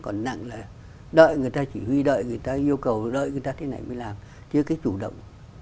còn nặng là đợi người ta chỉ huy đợi người ta yêu cầu đợi người ta thế này mới làm chứ cái chủ động